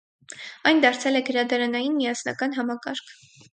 Այն դարձել է գրադարանային միասնական համակարգ։